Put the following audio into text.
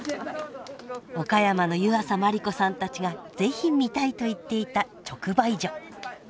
岡山の湯浅万里子さんたちが是非見たいと言っていた直売所。